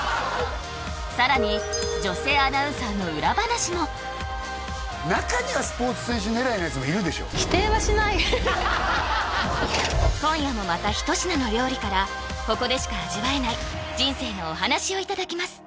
さらに女性アナウンサーの裏話も中には今夜もまた一品の料理からここでしか味わえない人生のお話をいただきます